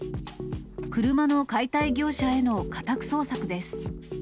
車の解体業者への家宅捜索です。